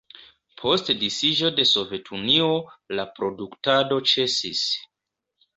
Post disiĝo de Sovetunio, la produktado ĉesis.